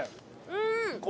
うん！